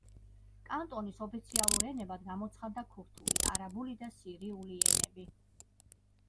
კანტონის ოფიციალურ ენებად გამოცხადდა ქურთული, არაბული და სირიული ენები.